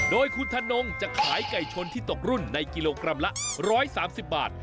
โดยคุณธนงจะขายไก่ชนที่ตกรุ่นในกิโลกรัมละ๑๓๐บาท